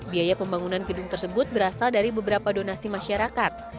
biaya pembangunan gedung tersebut berasal dari beberapa donasi masyarakat